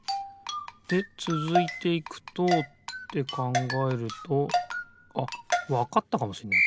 でつづいていくとってかんがえるとあっわかったかもしんない